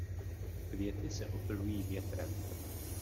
Květy se opylují větrem.